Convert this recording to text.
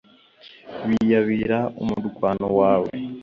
biyabira umurwano wawe.